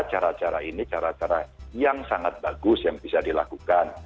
cara cara ini cara cara yang sangat bagus yang bisa dilakukan